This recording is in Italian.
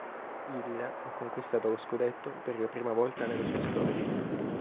Il ha conquistato lo scudetto per la prima volta nella sua storia.